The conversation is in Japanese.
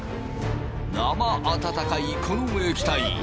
生温かいこの液体。